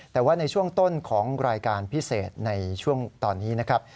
แต่ว่าในช่วงต้นของรายการพิเศษในช่วงตอนนี้นะครับ